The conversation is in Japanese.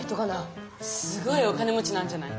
すごいお金もちなんじゃない？